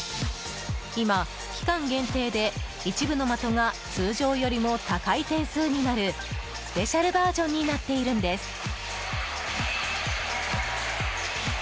今、期間限定で一部の的が通常よりも高い点数になるスペシャルバージョンになっているんです。